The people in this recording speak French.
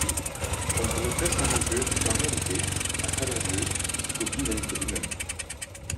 On pourrait presque en conclure qu’en réalité, à travers Dieu, Scobie n’aime que lui-même.